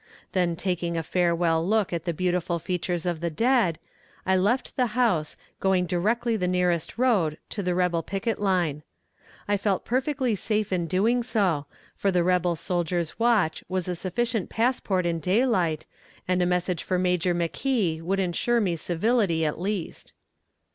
Then taking a farewell look at the beautiful features of the dead, I left the house, going directly the nearest road to the rebel picket line. I felt perfectly safe in doing so, for the rebel soldier's watch was a sufficient passport in daylight, and a message for Major McKee would insure me civility at least.